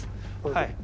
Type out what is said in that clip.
はい。